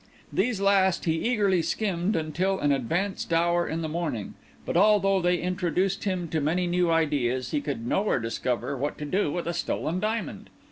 These last he eagerly skimmed until an advanced hour in the morning; but although they introduced him to many new ideas, he could nowhere discover what to do with a stolen diamond.